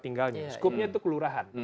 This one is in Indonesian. tinggalnya skupnya itu kelurahan